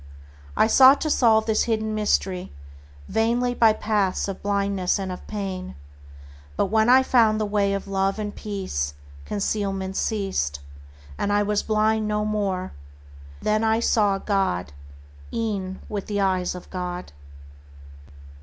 I sought to solve this hidden mystery Vainly by paths of blindness and of pain, But when I found the Way of Love and Peace, Concealment ceased, and I was blind no more: Then saw I God e'en with the eyes of God.